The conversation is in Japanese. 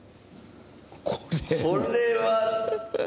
これは。